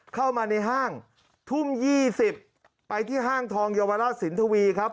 เข้ามาในห้างทุ่ม๒๐ไปที่ห้างทองเยาวราชสินทวีครับ